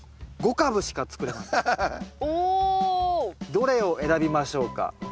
どれを選びましょうか？